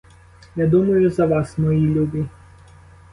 Я думаю за вас, мої любі.